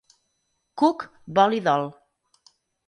Cook vol i dol.